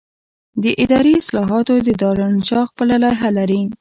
د اداري اصلاحاتو دارالانشا خپله لایحه لري.